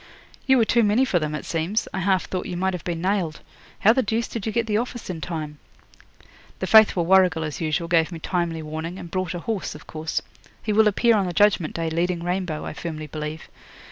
'You were too many for them, it seems. I half thought you might have been nailed. How the deuce did you get the office in time?' 'The faithful Warrigal, as usual, gave me timely warning, and brought a horse, of course. He will appear on the Judgment Day leading Rainbow, I firmly believe.